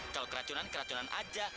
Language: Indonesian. kalau keracunan keracunan saja